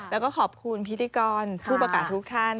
แล้วก็ขอบคุณพิธีกรผู้ประกาศทุกท่าน